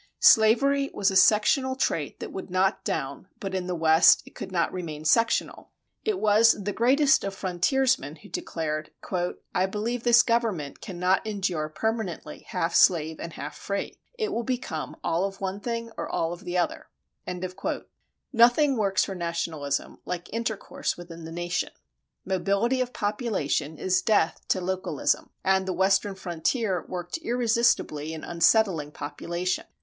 Slavery was a sectional trait that would not down, but in the West it could not remain sectional. It was the greatest of frontiersmen who declared: "I believe this Government can not endure permanently half slave and half free. It will become all of one thing or all of the other." Nothing works for nationalism like intercourse within the nation. Mobility of population is death to localism, and the western frontier worked irresistibly in unsettling population.